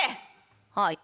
「はい。